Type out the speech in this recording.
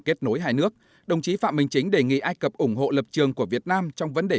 kết nối hai nước đồng chí phạm minh chính đề nghị ai cập ủng hộ lập trường của việt nam trong vấn đề